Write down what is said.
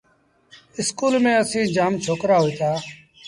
اسڪول ميݩ اسيٚݩ جآم ڇوڪرآ هوئيٚتآ۔